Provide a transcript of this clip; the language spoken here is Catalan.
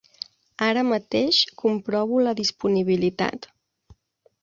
Ara mateix comprovo la disponibilitat.